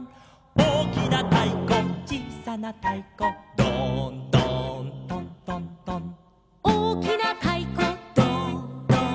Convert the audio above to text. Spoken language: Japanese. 「おおきなたいこちいさなたいこ」「ドーンドーントントントン」「おおきなたいこドーンドーン」